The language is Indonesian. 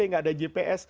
nggak ada gps